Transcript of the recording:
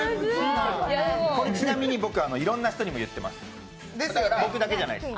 これ、ちなみにいろんな人にも言ってます、僕だけじゃなく。